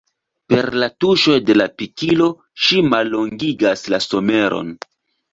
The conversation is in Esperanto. Per la tuŝoj de la pikilo ŝi mallongigas la someron.